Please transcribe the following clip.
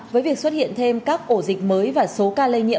với việc xuất hiện thêm các ổ dịch mới